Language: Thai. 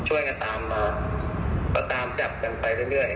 ช่วยกันตามมาก็ตามจับกันไปเรื่อย